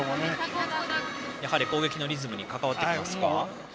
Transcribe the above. やはり攻撃のリズムに関わってきますかね。